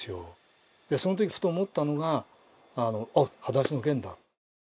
そのときふと思ったのが「あっ『はだしのゲン』だ」。